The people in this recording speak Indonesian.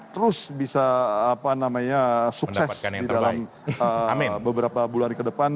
terus bisa sukses di dalam beberapa bulan ke depan